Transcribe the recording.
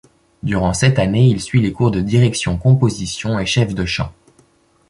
Durant sept années, il suit les cours de direction, composition et chef de chant.